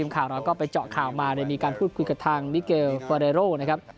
ก็ได้มีการพูดคุยกับมิเกลฟอเดโร่นะครับ